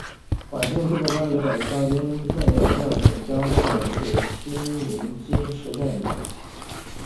晚清曾国藩领导的湘军重要将领江忠源是新宁金石镇人。